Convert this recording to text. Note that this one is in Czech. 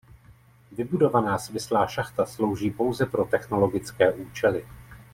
Vybudovaná svislá šachta slouží pouze pro technologické účely.